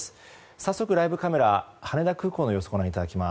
早速ライブカメラ羽田空港の様子ご覧いただきます。